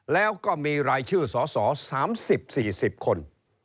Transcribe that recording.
แล้วก็มีรายชื่อสส๓๐๔๐คน